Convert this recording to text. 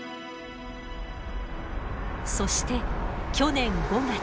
そして去年５月。